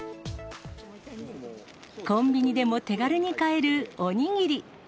コンビニでも手軽に買えるおにぎり。